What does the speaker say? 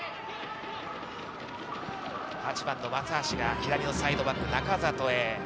８番の松橋が左のサイドバック、仲里へ。